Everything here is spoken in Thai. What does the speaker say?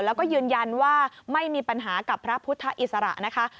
แล้วก็ยืนยันว่าไม่มีปัญหากับพระพุทธอิสระนะคะ